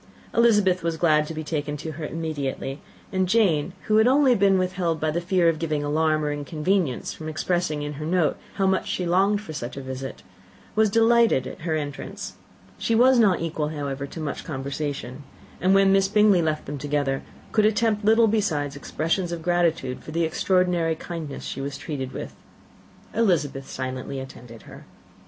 Elizabeth was glad to be taken to her immediately; and Jane, who had only been withheld by the fear of giving alarm or inconvenience, from expressing in her note how much she longed for such a visit, was delighted at her entrance. She was not equal, however, to much conversation; and when Miss Bingley left them together, could attempt little beside expressions of gratitude for the extraordinary kindness she was treated with. Elizabeth silently attended her.